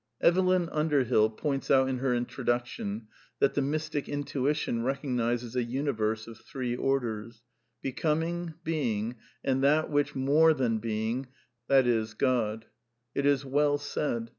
Evelyn Underbill points out in her Introduction that \ the mystic intuition recognizes " a universe of three orders :|^ Becoming, Being, and that which ^More than Being/ | T^ i.e. God." It is well said.